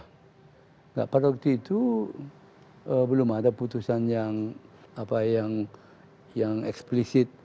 tidak pada waktu itu belum ada putusan yang eksplisit